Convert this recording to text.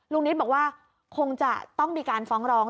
นิตบอกว่าคงจะต้องมีการฟ้องร้อง